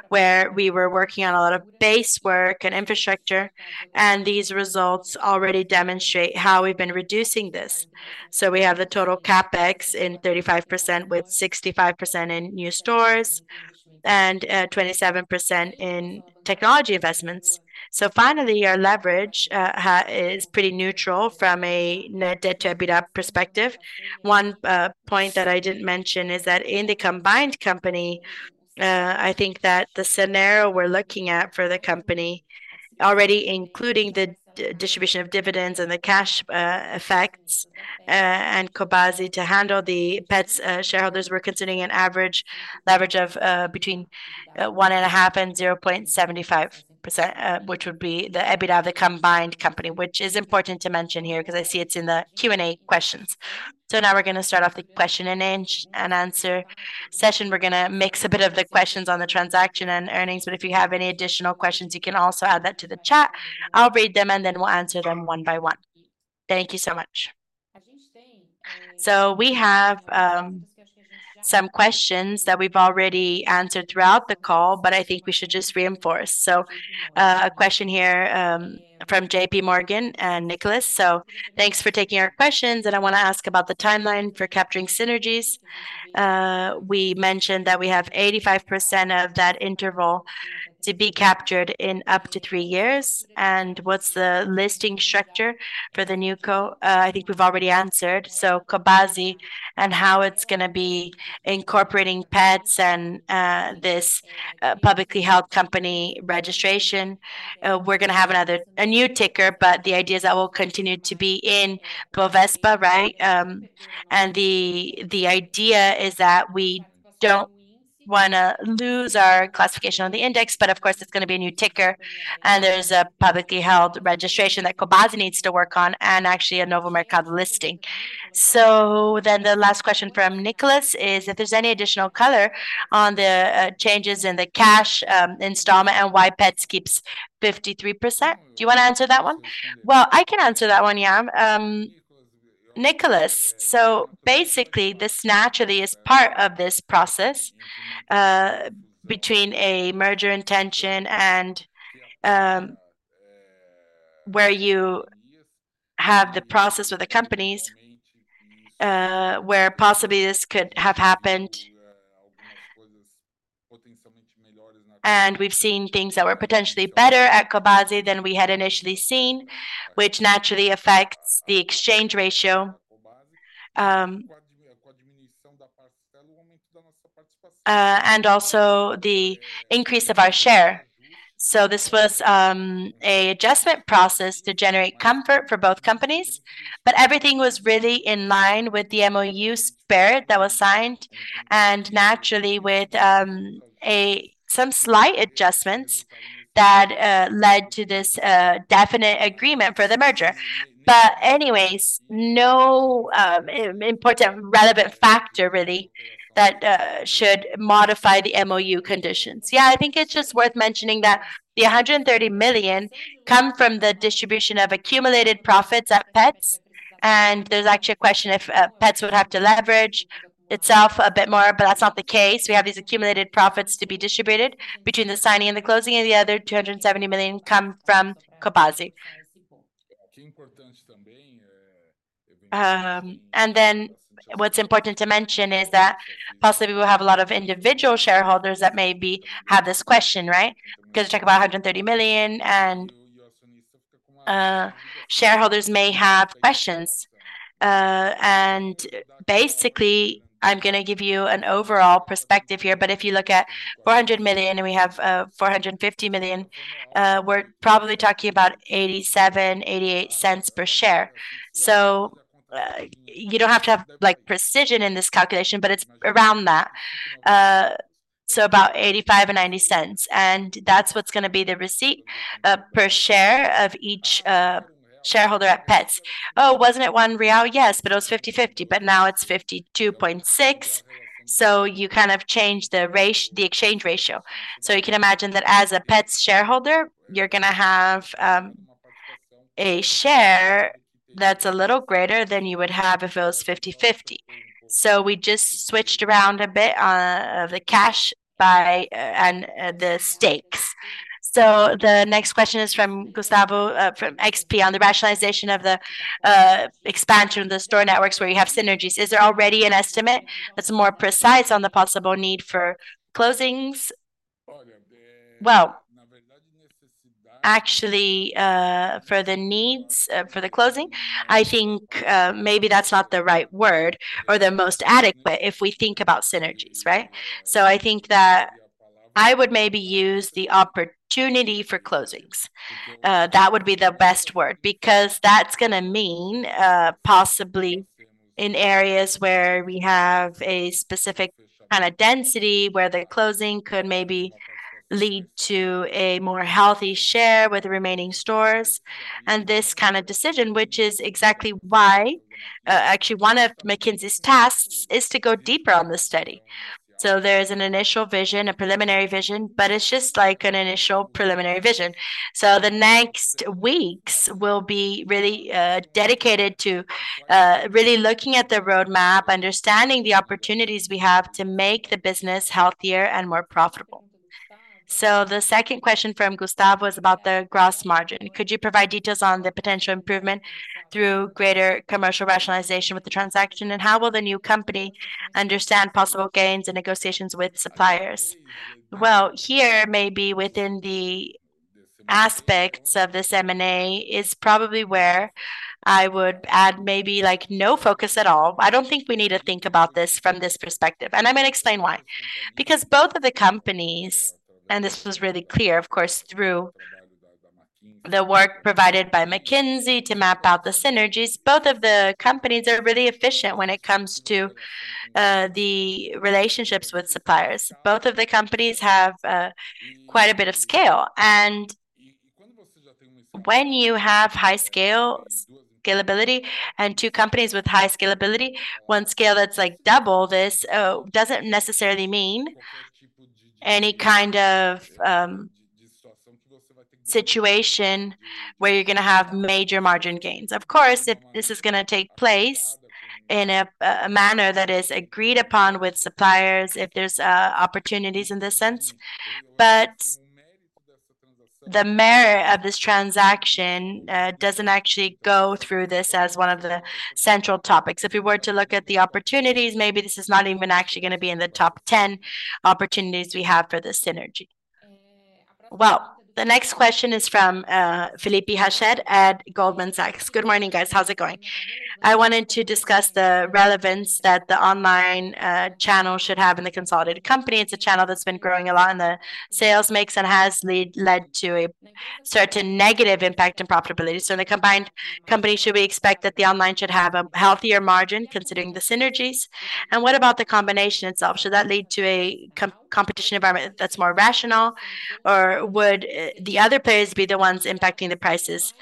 where we were working on a lot of base work and infrastructure, and these results already demonstrate how we've been reducing this, so we have the total CapEx in 35%, with 65% in new stores and 27% in technology investments, so finally, our leverage is pretty neutral from a net debt to EBITDA perspective. One point that I didn't mention is that in the combined company, I think that the scenario we're looking at for the company, already including the distribution of dividends and the cash effects, and Cobasi to handle the Petz shareholders, we're considering an average leverage of between one and a half and zero point seventy-five percent, which would be the EBITDA of the combined company, which is important to mention here, 'cause I see it's in the Q&A questions. So now we're gonna start off the question and answer session. We're gonna mix a bit of the questions on the transaction and earnings, but if you have any additional questions, you can also add that to the chat. I'll read them, and then we'll answer them one by one. Thank you so much. We have some questions that we've already answered throughout the call, but I think we should just reinforce. A question here from J.P. Morgan and Nicolas. "So thanks for taking our questions, and I want to ask about the timeline for capturing synergies." We mentioned that we have 85% of that interval to be captured in up to three years. "And what's the listing structure for the NewCo?" I think we've already answered. Cobasi and how it's gonna be incorporating Petz and this publicly held company registration. We're gonna have another, a new ticker, but the idea is that we'll continue to be in Bovespa, right? The idea is that we don't wanna lose our classification on the index, but of course, it's gonna be a new ticker, and there's a publicly held registration that Cobasi needs to work on, and actually, a Novo Mercado listing. So then the last question from Nicolas is, "If there's any additional color on the changes in the cash installment, and why Petz keeps 53%?" Do you want to answer that one? I can answer that one, yeah. Nicolas, so basically, this naturally is part of this process between a merger intention and where you have the process with the companies where possibly this could have happened. And we've seen things that were potentially better at Cobasi than we had initially seen, which naturally affects the exchange ratio and also the increase of our share. This was an adjustment process to generate comfort for both companies, but everything was really in line with the MOU spirit that was signed, and naturally, with some slight adjustments that led to this definite agreement for the merger. But anyways, no important relevant factor, really, that should modify the MOU conditions. Yeah, I think it's just worth mentioning that the 130 million come from the distribution of accumulated profits at Petz. And there's actually a question if Petz would have to leverage itself a bit more, but that's not the case. We have these accumulated profits to be distributed between the signing and the closing, and the other 270 million come from Cobasi. And then what's important to mention is that possibly, we will have a lot of individual shareholders that maybe have this question, right? Because we talk about 130 million, and shareholders may have questions. And basically, I'm gonna give you an overall perspective here, but if you look at 400 million, and we have 450 million, we're probably talking about 0.87-0.88 per share. You don't have to have, like, precision in this calculation, but it's around that. So about 0.85-0.90, and that's what's going to be the receipt per share of each shareholder at Petz. Oh, wasn't it 1 real? Yes, but it was 50-50, but now it's 52.6. So you kind of change the exchange ratio. So you can imagine that as a Petz shareholder, you're going to have a share that's a little greater than you would have if it was fifty-fifty. So we just switched around a bit of the cash by and the stakes. So the next question is from Gustavo from XP on the rationalization of the expansion of the store networks, where you have synergies. Is there already an estimate that's more precise on the possible need for closings? Well, actually, for the needs for the closing, I think maybe that's not the right word or the most adequate, if we think about synergies, right? So I think that I would maybe use the opportunity for closings. That would be the best word, because that's going to mean, possibly in areas where we have a specific kind of density, where the closing could maybe lead to a more healthy share with the remaining stores, and this kind of decision, which is exactly why, actually, one of McKinsey's tasks is to go deeper on this study. So there's an initial vision, a preliminary vision, but it's just like an initial preliminary vision. So the next weeks will be really dedicated to really looking at the roadmap, understanding the opportunities we have to make the business healthier and more profitable. So the second question from Gustavo is about the gross margin. Could you provide details on the potential improvement through greater commercial rationalization with the transaction, and how will the new company understand possible gains and negotiations with suppliers? Here may be within the aspects of this M&A is probably where I would add maybe, like, no focus at all. I don't think we need to think about this from this perspective, and I'm going to explain why. Because both of the companies, and this was really clear, of course, through the work provided by McKinsey to map out the synergies, both of the companies are really efficient when it comes to the relationships with suppliers. Both of the companies have quite a bit of scale, and when you have high scale, scalability and two companies with high scalability, one scale that's like double this doesn't necessarily mean any kind of situation where you're going to have major margin gains. Of course, if this is going to take place in a manner that is agreed upon with suppliers, if there's opportunities in this sense. But the merit of this transaction doesn't actually go through this as one of the central topics. If we were to look at the opportunities, maybe this is not even actually going to be in the top ten opportunities we have for this synergy. Well, the next question is from Felipe Rached at Goldman Sachs. Good morning, guys. How's it going? I wanted to discuss the relevance that the online channel should have in the consolidated company. It's a channel that's been growing a lot, and the sales mix has led to a certain negative impact in profitability. So in the combined company, should we expect that the online should have a healthier margin, considering the synergies? What about the combination itself? Should that lead to a competition environment that's more rational, or would the other players be the ones impacting the prices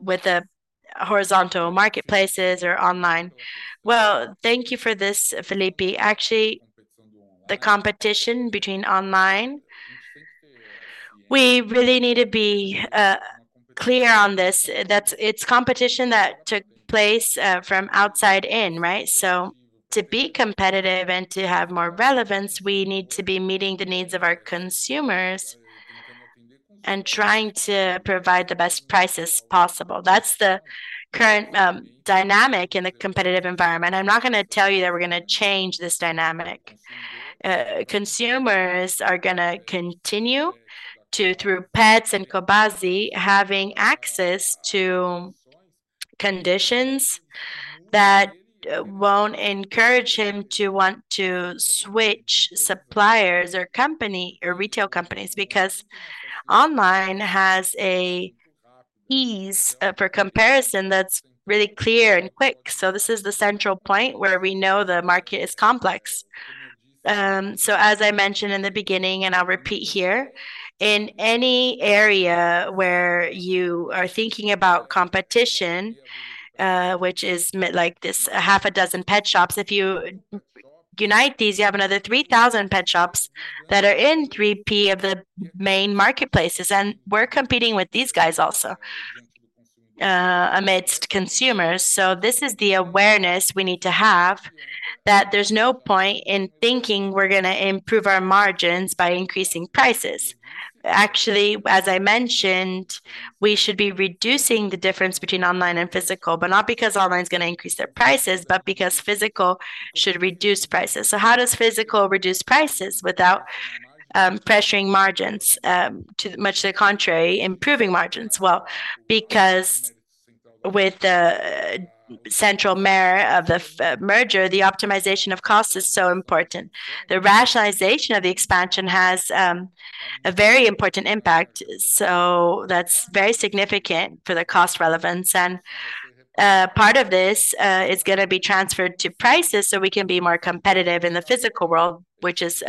with the horizontal marketplaces or online? Thank you for this, Felipe. Actually, the competition between online, we really need to be clear on this, that it's competition that took place from outside in, right? To be competitive and to have more relevance, we need to be meeting the needs of our consumers and trying to provide the best prices possible. That's the current dynamic in the competitive environment. I'm not going to tell you that we're going to change this dynamic. Consumers are going to continue to, through Petz and Cobasi, having access to conditions that won't encourage him to want to switch suppliers or company or retail companies, because online has an ease for comparison that's really clear and quick. So this is the central point where we know the market is complex. So as I mentioned in the beginning, and I'll repeat here, in any area where you are thinking about competition, which is like this half a dozen pet shops, if you unite these, you have another three thousand pet shops that are in 3P of the main marketplaces, and we're competing with these guys also amidst consumers. So this is the awareness we need to have, that there's no point in thinking we're going to improve our margins by increasing prices. Actually, as I mentioned, we should be reducing the difference between online and physical, but not because online is going to increase their prices, but because physical should reduce prices. So how does physical reduce prices without pressuring margins? Too much to the contrary, improving margins. Well, because with the central measure of the merger, the optimization of cost is so important. The rationalization of the expansion has a very important impact, so that's very significant for the cost relevance. Part of this is going to be transferred to prices so we can be more competitive in the physical world, which is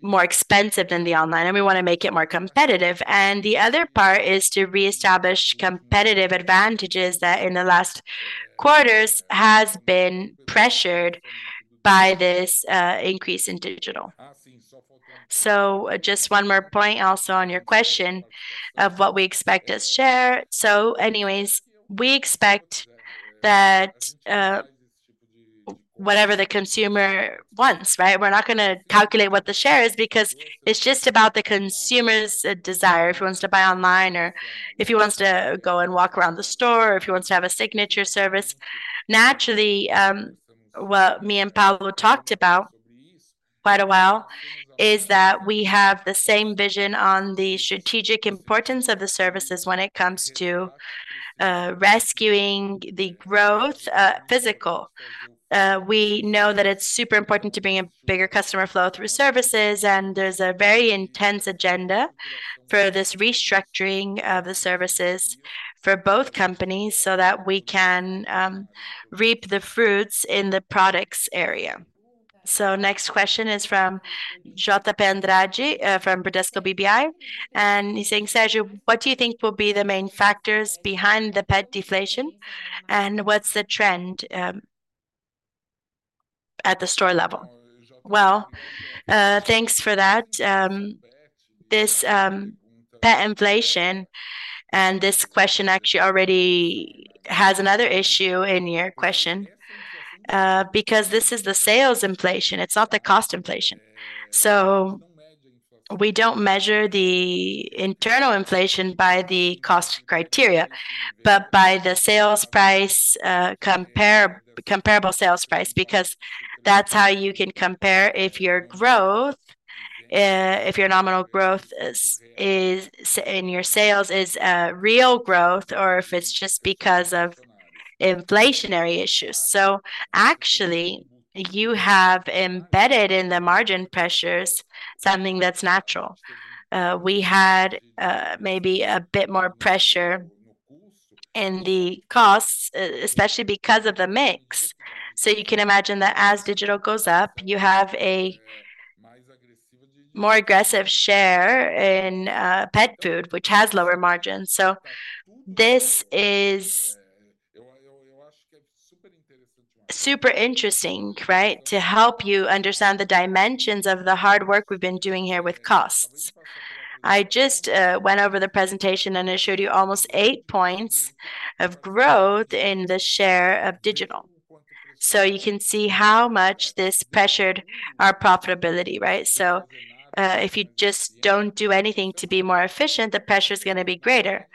more expensive than the online, and we want to make it more competitive. And the other part is to reestablish competitive advantages that in the last quarters has been pressured by this increase in digital. Just one more point also on your question of what we expect as share. Anyways, we expect that, whatever the consumer wants, right? We're not going to calculate what the share is, because it's just about the consumer's desire, if he wants to buy online, or if he wants to go and walk around the store, or if he wants to have a subscription service. Naturally, what me and Paulo talked about quite a while, is that we have the same vision on the strategic importance of the services when it comes to, rescuing the growth, physical. We know that it's super important to bring a bigger customer flow through services, and there's a very intense agenda for this restructuring of the services for both companies so that we can, reap the fruits in the products area. Next question is from JP Andrade from Bradesco BBI, and he's saying, "Sergio, what do you think will be the main factors behind the pet deflation, and what's the trend at the store level?" Thanks for that. This pet inflation, and this question actually already has another issue in your question, because this is the sales inflation, it's not the cost inflation. We don't measure the internal inflation by the cost criteria, but by the sales price, comparable sales price, because that's how you can compare if your nominal growth in your sales is real growth or if it's just because of inflationary issues. Actually, you have embedded in the margin pressures, something that's natural. We had maybe a bit more pressure in the costs, especially because of the mix. So you can imagine that as digital goes up, you have a more aggressive share in pet food, which has lower margins. So this is super interesting, right? To help you understand the dimensions of the hard work we've been doing here with costs. I just went over the presentation, and I showed you almost eight points of growth in the share of digital. So you can see how much this pressured our profitability, right? So if you just don't do anything to be more efficient, the pressure is going to be greater.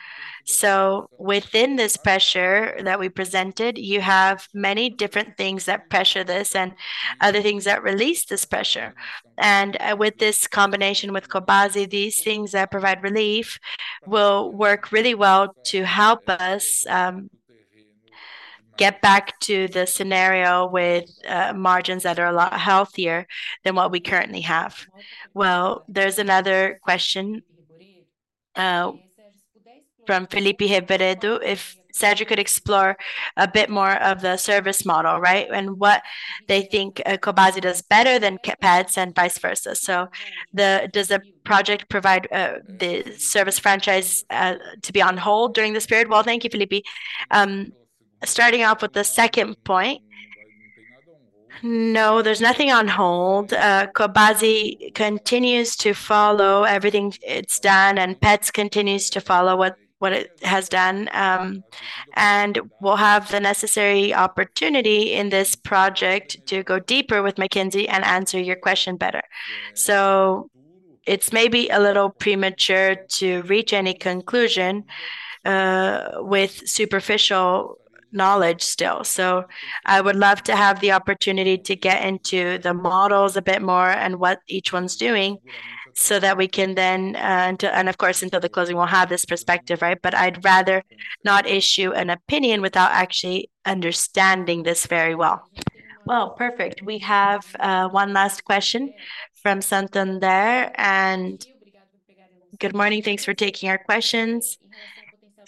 So within this pressure that we presented, you have many different things that pressure this and other things that release this pressure. And with this combination with Cobasi, these things that provide relief will work really well to help us get back to the scenario with margins that are a lot healthier than what we currently have. Well, there's another question from Felipe Reboredo, if Sergio could explore a bit more of the service model, right? And what they think Cobasi does better than Petz and vice versa. So does the project provide the service franchise to be on hold during this period? Well, thank you, Felipe. Starting off with the second point, no, there's nothing on hold. Cobasi continues to follow everything it's done, and Petz continues to follow what it has done. And we'll have the necessary opportunity in this project to go deeper with McKinsey and answer your question better. So it's maybe a little premature to reach any conclusion with superficial knowledge still. So I would love to have the opportunity to get into the models a bit more and what each one's doing so that we can then and of course until the closing we'll have this perspective right? But I'd rather not issue an opinion without actually understanding this very well. Well perfect. We have one last question from Santander. And good morning thanks for taking our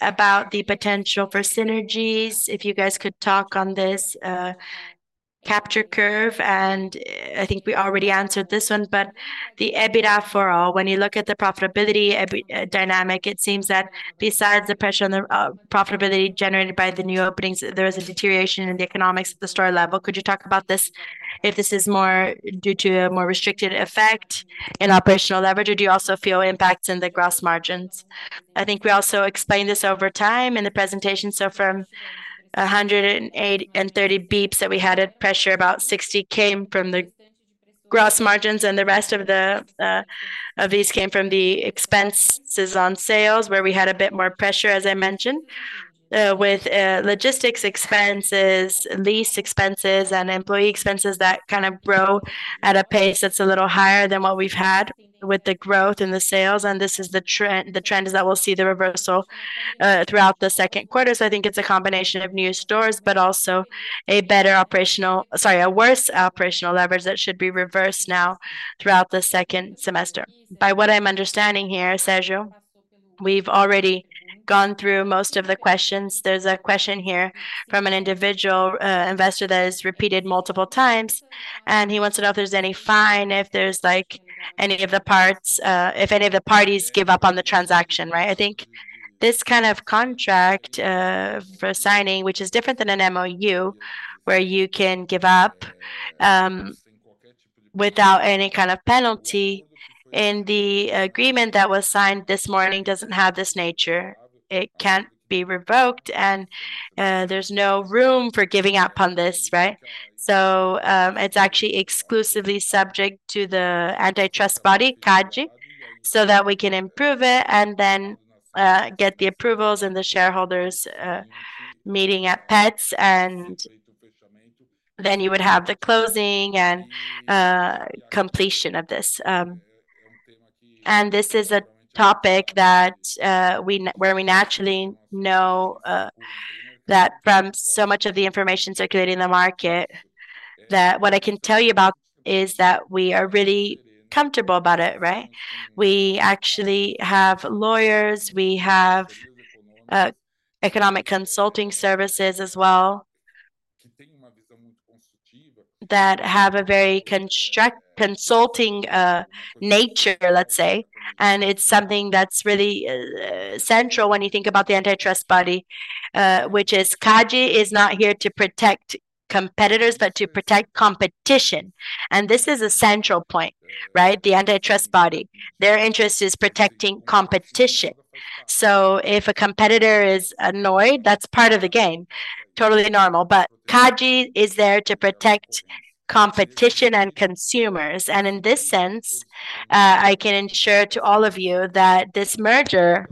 questions about the potential for synergies. If you guys could talk on this capture curve and I think we already answered this one but the EBITDA for all when you look at the profitability EBITDA dynamic it seems that besides the pressure on the profitability generated by the new openings there is a deterioration in the economics at the store level. Could you talk about this, if this is more due to a more restricted effect in operational leverage, or do you also feel impacts in the gross margins? I think we also explained this over time in the presentation. So from a hundred and eight and thirty basis points that we had at pressure, about sixty came from the gross margins, and the rest of these came from the expenses on sales, where we had a bit more pressure, as I mentioned, with logistics expenses, lease expenses, and employee expenses that kind of grow at a pace that's a little higher than what we've had with the growth in the sales, and this is the trend. The trend is that we'll see the reversal throughout the second quarter. So I think it's a combination of new stores, but also a better operational... Sorry, a worse operational leverage that should be reversed now throughout the second semester. By what I'm understanding here, Sergio? We've already gone through most of the questions. There's a question here from an individual investor that is repeated multiple times, and he wants to know if there's any fine, if there's, like, any of the parts, if any of the parties give up on the transaction, right? I think this kind of contract for signing, which is different than an MOU, where you can give up without any kind of penalty, and the agreement that was signed this morning doesn't have this nature. It can't be revoked, and there's no room for giving up on this, right? It's actually exclusively subject to the antitrust body, CADE, so that we can improve it and then get the approvals in the shareholders' meeting at Petz, and then you would have the closing and completion of this. And this is a topic that where we naturally know that from so much of the information circulating in the market, that what I can tell you about is that we are really comfortable about it, right? We actually have lawyers. We have economic consulting services as well, that have a very consulting nature, let's say, and it's something that's really central when you think about the antitrust body, which is CADE, is not here to protect competitors, but to protect competition. And this is a central point, right? The antitrust body, their interest is protecting competition. So if a competitor is annoyed, that's part of the game, totally normal, but CADE is there to protect competition and consumers. And in this sense, I can ensure to all of you that this merger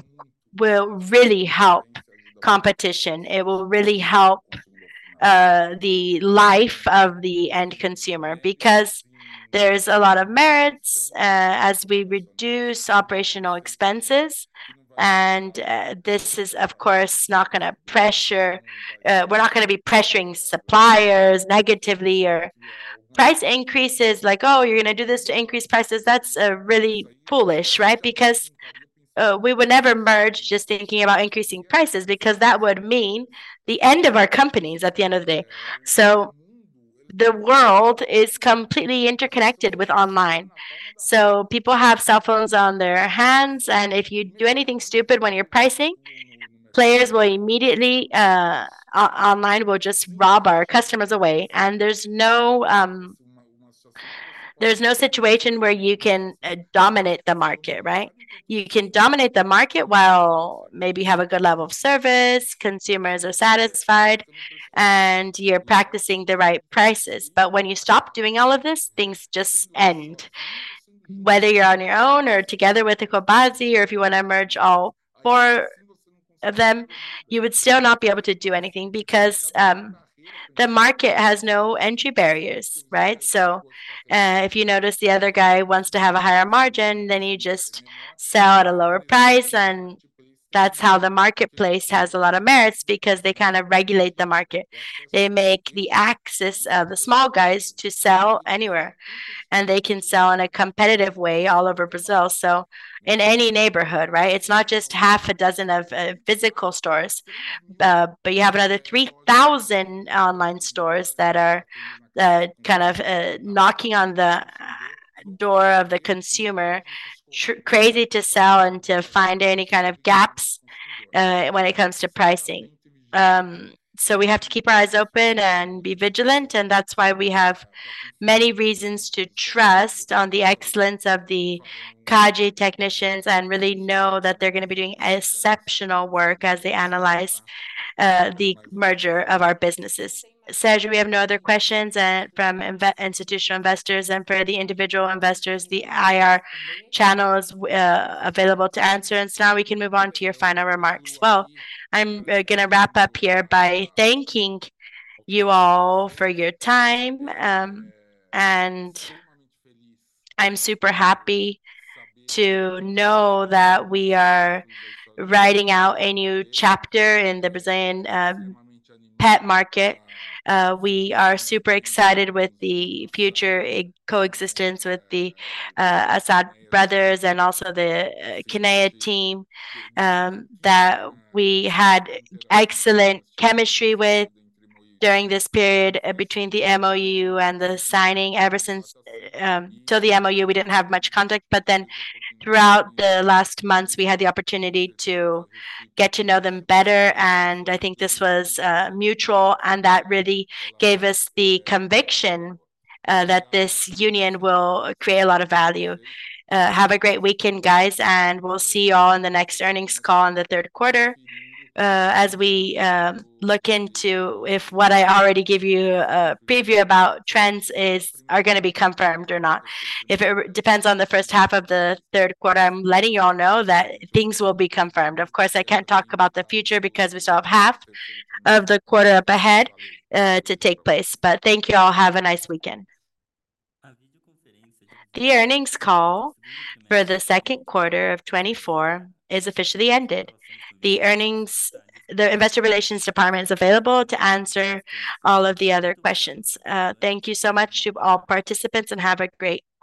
will really help competition. It will really help, the life of the end consumer, because there's a lot of merits, as we reduce operational expenses. And, this is, of course, not gonna pressure, we're not gonna be pressuring suppliers negatively or price increases, like, "Oh, you're gonna do this to increase prices." That's, really foolish, right? Because, we would never merge just thinking about increasing prices, because that would mean the end of our companies at the end of the day. The world is completely interconnected with online, so people have cell phones on their hands, and if you do anything stupid when you're pricing, players will immediately online will just rob our customers away, and there's no situation where you can dominate the market, right? You can dominate the market while maybe you have a good level of service, consumers are satisfied, and you're practicing the right prices. But when you stop doing all of this, things just end. Whether you're on your own or together with the Cobasi, or if you want to merge all four of them, you would still not be able to do anything because the market has no entry barriers, right? So, if you notice the other guy wants to have a higher margin, then you just sell at a lower price, and that's how the marketplace has a lot of merits, because they kind of regulate the market. They make the access of the small guys to sell anywhere, and they can sell in a competitive way all over Brazil, so in any neighborhood, right? It's not just half a dozen of physical stores, but you have another 3,000 online stores that are kind of knocking on the door of the consumer, crazy to sell and to find any kind of gaps, when it comes to pricing. So we have to keep our eyes open and be vigilant, and that's why we have many reasons to trust on the excellence of the CADE technicians and really know that they're gonna be doing exceptional work as they analyze the merger of our businesses. Sergio, we have no other questions from institutional investors, and for the individual investors, the IR channel is available to answer, and so now we can move on to your final remarks. I'm gonna wrap up here by thanking you all for your time, and I'm super happy to know that we are writing out a new chapter in the Brazilian pet market. We are super excited with the future coexistence with the Nassar brothers and also the Kinea team, that we had excellent chemistry with during this period between the MOU and the signing. Ever since till the MOU, we didn't have much contact, but then throughout the last months, we had the opportunity to get to know them better, and I think this was mutual, and that really gave us the conviction that this union will create a lot of value. Have a great weekend, guys, and we'll see you all in the next earnings call in the third quarter, as we look into if what I already gave you a preview about trends are gonna be confirmed or not. If it depends on the first half of the third quarter, I'm letting you all know that things will be confirmed. Of course, I can't talk about the future because we still have half of the quarter up ahead to take place. But thank you all. Have a nice weekend. The earnings call for the second quarter of 2024 is officially ended. The investor relations department is available to answer all of the other questions. Thank you so much to all participants, and have a great day.